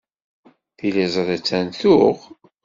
Tiliẓri attan tuɣ.